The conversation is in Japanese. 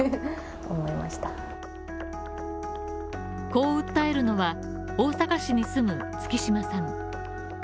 こう訴えるのは大阪市に住む月島さん。